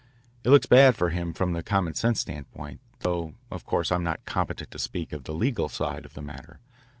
It looks bad for him from the commonsense standpoint, though of course I'm not competent to speak of the legal side of the matter.